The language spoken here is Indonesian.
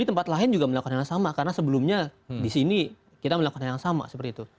di tempat lain juga melakukan hal yang sama karena sebelumnya di sini kita melakukan yang sama seperti itu